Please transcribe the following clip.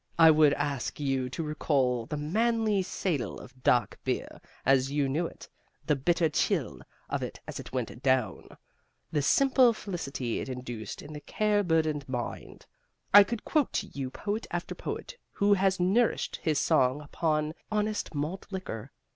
I would ask you to recall the manly seidel of dark beer as you knew it, the bitter chill of it as it went down, the simple felicity it induced in the care burdened mind. I could quote to you poet after poet who has nourished his song upon honest malt liquor.